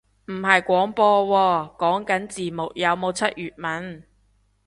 唔係廣播喎，講緊字幕有冇出粵文